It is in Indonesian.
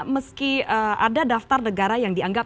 meski ada daftar negara yang dianggap